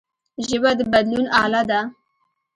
ژبه د بدلون اله ده